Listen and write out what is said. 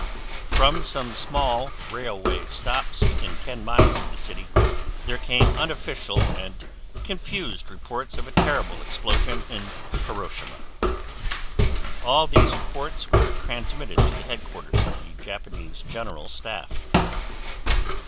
From some small railway stops within ten miles of the city there came unofficial and confused reports of a terrible explosion in Hiroshima. All these reports were transmitted to the Headquarters of the Japanese General Staff.